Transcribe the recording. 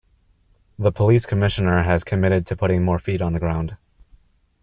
The police commissioner has committed to putting more feet on the ground.